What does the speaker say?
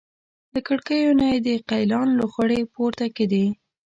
له کړکیو نه یې د قلیان لوخړې پورته کېږي.